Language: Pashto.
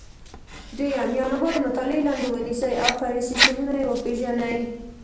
درېیم: یو نبات د مطالعې لاندې ونیسئ او فرعي سیسټمونه یې وپېژنئ.